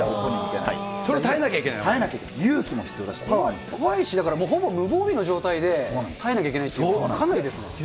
それを耐えなきゃいけないん怖いし、怖いし、だから、もう、ほぼ無防備の状態で耐えなきゃいけないという、かなりですね。